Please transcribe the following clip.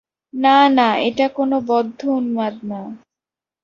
না, না এটা কোন বদ্ধউন্মাদ না।